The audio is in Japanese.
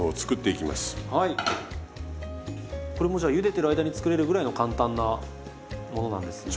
これもじゃあゆでてる間に作れるぐらいの簡単なものなんですね？